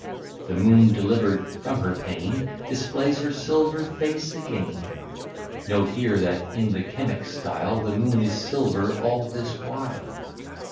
The moon, deliver'd from her pain, Displays her silver face again. Note here, that in the chemic style, The moon is silver all this while.